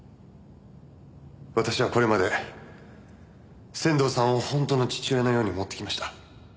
私はこれまで仙堂さんを本当の父親のように思ってきました。